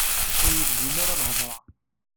Ur yi-gezzem ara lhedra.